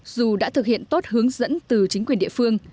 dù đã thực hiện tốt hướng dẫn từ chính quyền địa phương